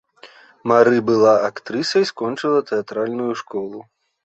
Мары была актрысай, скончыла тэатральную школу.